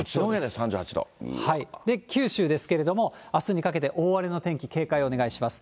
で、九州ですけれども、あすにかけて大荒れの天気、警戒をお願いします。